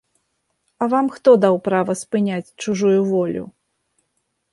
А вам хто даў права спыняць чужую волю?!